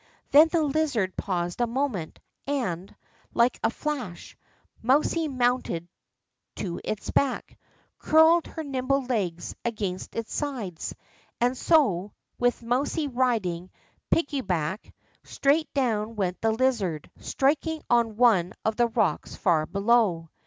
Then the lizard paused a moment, and, like a flash, mousie mounted to its back, curled her nimble legs against its sides, and so, with mousie riding ^ pick a back,' straight down went the lizard, striking on one of the rocks far below.